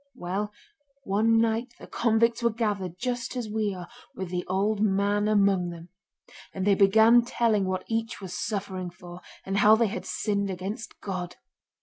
Well, one night the convicts were gathered just as we are, with the old man among them. And they began telling what each was suffering for, and how they had sinned against God.